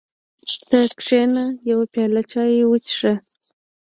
ته کېنه یوه پیاله چای وڅښه.